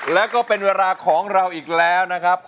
แล้วก็เป็นเวลาของเราอีกแล้วนะครับ